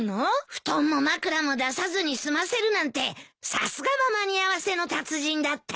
布団も枕も出さずに済ませるなんてさすがは間に合わせの達人だったよ。